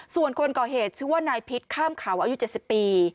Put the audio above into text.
ส่วนคนก่อเหตุชื่อว่านายพิษข้ามเขาอายุ๗๐ปี